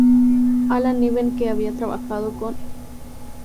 Alan Niven que había trabajado con Great White pasa a ser su nuevo mánager.